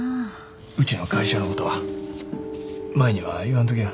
うちの会社のことは舞には言わんときや。